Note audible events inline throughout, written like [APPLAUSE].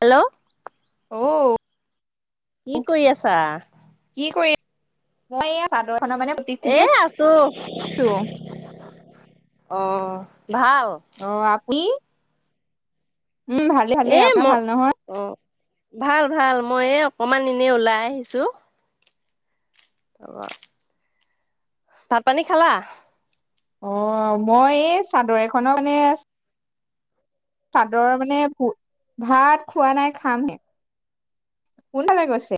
Hello অ'। কি কৰি আছা? কি কৰি, মই এই চাদৰ খনৰ মানে গুট এ খুলি আছো আছোঁ। অ', ভাল। অ', আমি। উম, ভাল। ভালে এ, আপোনাৰ মই নহয়? অ', ভাল, ভাল মই এই অকমান এনে ওলাই আহিছোঁ। [INAUDIBLE] ভাত, পানী খালা? অ', মই এই চাদৰ এখনৰ মানে চাদৰ মানে ভাত খোৱা নাই খামহে। কোনফালে গৈছে।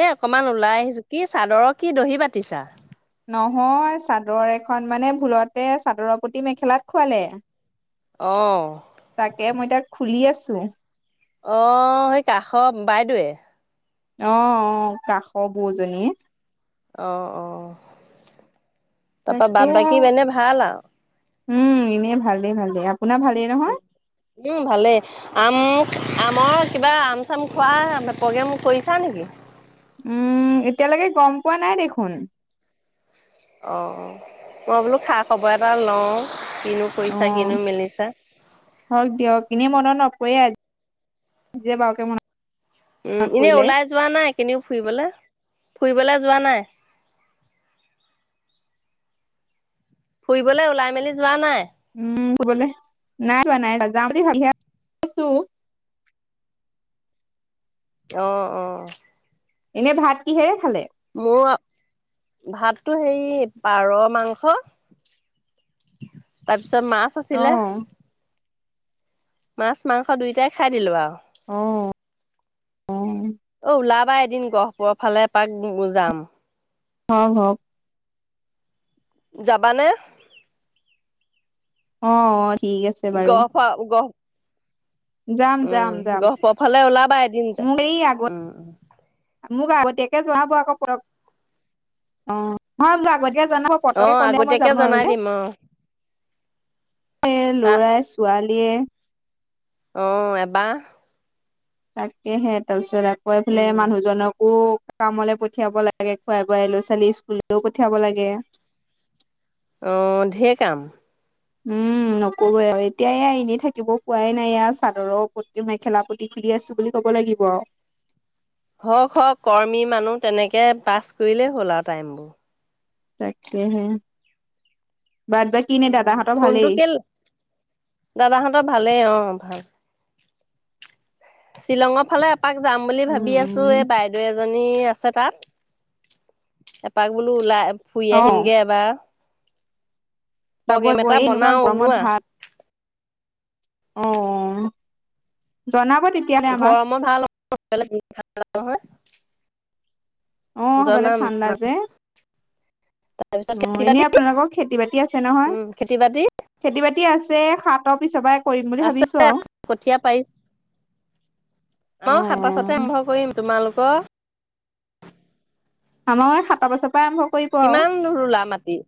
এ অকনমান ওলাই আহিছোঁ কি চাদৰৰ কি দহি বাতিছা। নহয় চাদৰ এখন মানে ভুলতে চাদৰ প্ৰতি মেখেলাত খুৱালে অ'। তাকে মই তাক খুলি আছোঁ। অ', সেই কাষৰ বাইদেৱে অ', অ', কাষৰ বৌজনীয়ে অ', অ'। তাৰপা তাকে বাট বাকী এনে ভাল আৰু উম এনে ভালেই, ভালেই আপোনাৰ ভালেই নহয়। উম ভালে। আম আমৰ কিবা আম চাম খোৱা প্ৰগ্ৰেম কৰিছা নেকি। উম, এতিয়ালৈকে গ'ম পোৱা নাই দেখোন। অ', মই বোলো খা খবৰ এটা লওঁ কিনো কৰিছা কিনো মেলিছা। হওঁক দিয়ক এনেই মনত নপৰে আজি বাৰকে মন উম, এনেই ওলাই যোৱা নাই কেনেও ফুৰিবলৈ ফুৰিবলৈ যোৱা নাই। ফুৰিবলৈ ওলাই মেলি যোৱা নাই। উম, বোলে নাই, নাই যাওঁ ভছ। অ', অ'। এনে ভাত কিহেৰে খালে? মোৰ ভাততো হেৰি পাৰ মাংস। তাৰপিছত মাছ অ আছিলে। মাছ মাংস দুইোটাই খাই দিলোঁ আৰু। অ', অ'। অ', ওলাবা এদিন গহপুৰৰ ফালে এপাক যাম। হয় হওঁক। যাবানে। অ', অ', ঠিক আছে। বাৰু গফা গ [UNINTELLIGIBLE] যাম যাম উম, যাম গহপুৰ ফালে ওলাবা এদিন যে মোক এই আগত উম। উম। মোক আগতীয়াকে জনাব আকৌ প অ', নহয় মোক আগতীয়াকে জনাব। পতকে অ', ক'লে মই আগতীয়াকে জানোঁ আৰু জনাই যে দিম এ অ', লৰা ছোৱালীয়ে অ', এটা তাকেহে তাৰপিছত আকৌফালে উম, মানুহজনকো কামলৈ পঠিয়াব লাগে খোৱাই বোৱাই ল'ৰা ছোৱালী স্কুললৈও পঠিয়াব লাগে। অ ডেৰ কাম। উম নকৰো আৰু এতিয়া এনেই থাকিব পোৱাই নাই ই চাদৰ পটি মেখেলা পটি পটি খুলি আছো বুলি ক'ব লাগিব আৰু। হওক হওক কৰ্মী মানুহ তেনেকে পাছ কৰিলেই হ'ল আৰু টাইম বোৰ। তাকেহে বাদ বা কি এনেই দাদা হঁতৰ ভালেই। দাদা হঁতৰ ভালেই অ ভাল। শ্বিলঙৰ ফালে এপাক যাম বুলি উম ভাবি আছো উম এই বাইদেউ এজনী আছে তাত। এপাক বোলো ওলাই ফুৰি অ আহিমগে এবাৰ। যাব প্ৰগ্ৰেম যাব এটা এই এনেকুৱা বনাও গৰমত ওলোৱা ভাল অ জনাব তেতিয়া। ঘৰ মই ভাল নহয় [INAUDIBLE] অ সিফালে জনাম ঠাণ্ডা যে। তাৰপিছত অ খেতি এনে বাতি আপোনালোকৰ খেতি বাতি আছে নহয়? উম খেতি বাতি খেতি বাতি আছে হাতৰ [INAUDIBLE] আছে আ কঠীয়া পাৰিছে অ শাক পাছতে আৰম্ভ কৰিম। তোমালোকৰ? আমাৰ সাতটা পাছৰ পৰাই আৰম্ভ কৰিম। কিমান নো ৰুলা মাটি?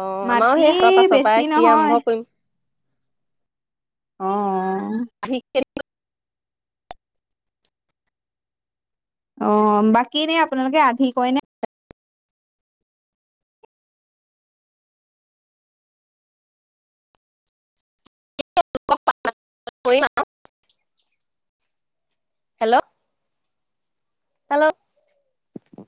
অ আমাৰো মাটি সেই সাতৰ পাছৰ বেছি পৰাই খেতি নহয় আৰম্ভ কৰিম। অ আহি কে অ বাকীএনে আপোনালোকে আধি কৰে নে? [INAUDIBLE] Hello hello